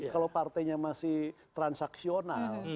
kalau partainya masih transaksional